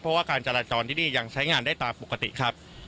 เพราะว่าการจราจรที่นี่ยังใช้งานได้ตามปกติครับ